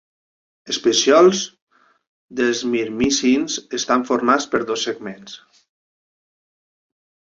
Els pecíols dels mirmicins estan formats per dos segments.